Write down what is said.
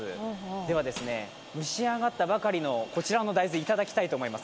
ではですね、蒸し上がったばかりのこちらの大豆いただきたいと思います。